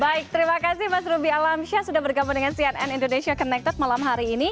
baik terima kasih mas ruby alamsyah sudah bergabung dengan cnn indonesia connected malam hari ini